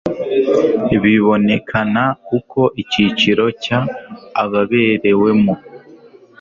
biboneka n uko icyiciro cy ababerewemo